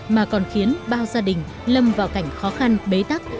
mà còn khiến bao gia đình lâm vào cảnh khó khăn bế tắc